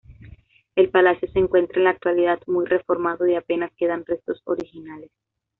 El palacio se encuentra en la actualidad muy reformado y apenas quedan restos originales.